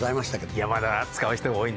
いやまだ。